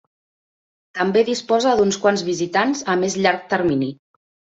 També disposa d'uns quants visitants a més llarg termini.